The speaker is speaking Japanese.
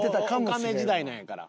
おかめ時代なんやから。